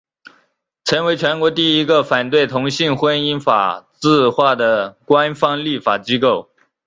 成为全国第一个反对同性婚姻法制化的官方立法机构。